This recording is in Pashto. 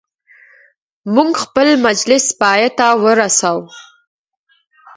موږ خپل مجلس پایته ورساوه.